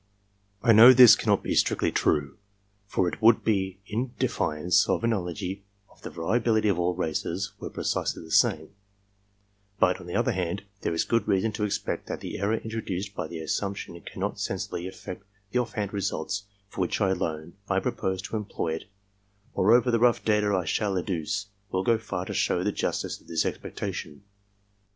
I know this cannot be strictly true, for it would be in defiance of analogy if the variability of all races were precisely the same; but, on the other hand, there is good reason to expect that the error intro duced by the assumption cannot sensibly affect the off hand results for which alone I propose to employ it ; moreover, the rough data I shall adduce, will go far to show the justice of this expectation.